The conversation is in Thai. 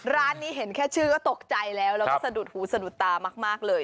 ร้านนี้เห็นแค่ชื่อก็ตกใจแล้วแล้วก็สะดุดหูสะดุดตามากเลย